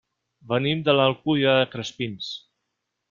Venim de l'Alcúdia de Crespins.